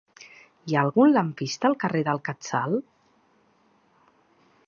Hi ha algun lampista al carrer del Quetzal?